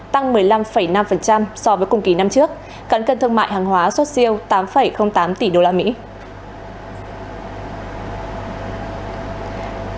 tăng một mươi năm năm so với cùng kỳ năm trước cắn cân thương mại hàng hóa xuất siêu tám tám tỷ usd